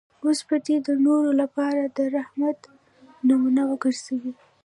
اوس به دی د نورو لپاره د رحمت نمونه وګرځي.